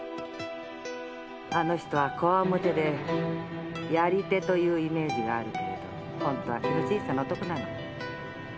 あの人はこわもてでやり手というイメージがあるけれどホントは気の小さな男なの。